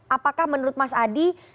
apakah menurut mas adi